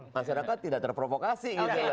masyarakat tidak terprovokasi gitu loh